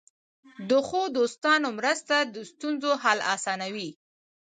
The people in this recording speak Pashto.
د ښو دوستانو مرسته د ستونزو حل آسانوي.